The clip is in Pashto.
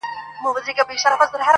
په سپورږمۍ كي زمــــــــــا زړه دى_